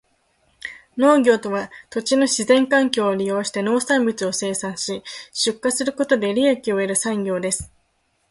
農業とは、土地の自然環境を利用して農産物を生産し、出荷することで利益を得る産業です。